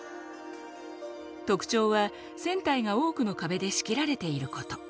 特徴は船体が多くの壁で仕切られていること。